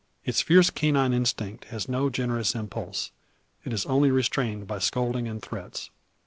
Its fierce canine instinct has no generous impulse, and is only restrained by scolding and threats.